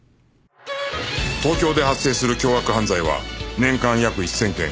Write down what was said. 東京で発生する凶悪犯罪は年間約１０００件